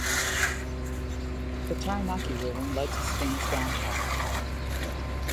The Taranaki ruling led to Spain's downfall.